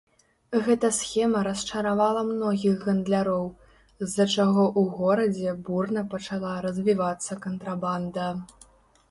Гэтая схема расчаравала многіх гандляроў, з-за чаго ў горадзе бурна пачала развівацца кантрабанда.